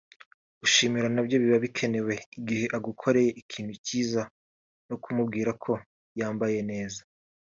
Ku mushimira nabyo biba bikenewe igihe agukoreye ikintu cyiza no kumubwira ko yambaye neza